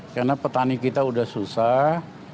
karena petani kita sudah susah